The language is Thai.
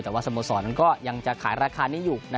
แต่ว่าสโมสรนั้นก็ยังจะขายราคานี้อยู่